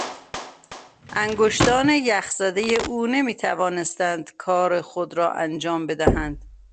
انگشتان یخ زدهی او نمیتوانستند کار خود را انجام بدهند.